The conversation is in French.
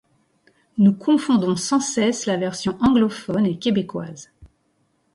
Nous confondons sans cesse la version anglophone et québécoise.